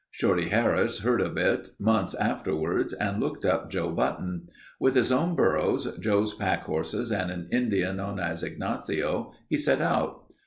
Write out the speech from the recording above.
Shorty Harris heard of it months afterward and looked up Joe Button. With his own burros, Joe's pack horses, and an Indian known as Ignacio, he set out.